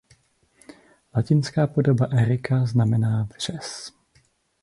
Latinská podoba "Erica" znamená "vřes".